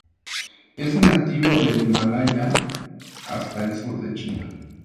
Es nativo del Himalaya hasta el sur de China.